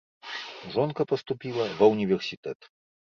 Жонка паступіла ва ўніверсітэт.